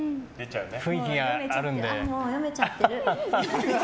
もう読めちゃってる。